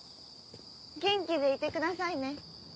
元気でいてくださいね。